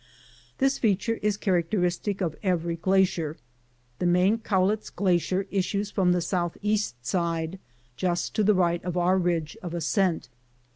This feature is characteristic of every glacier. The main Cowlitz glacier issues from the south east side, just to the right of our ridge of ascent.